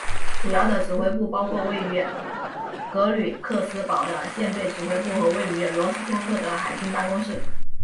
主要的指挥部包括位于格吕克斯堡的舰队指挥部和位于罗斯托克的海军办公室。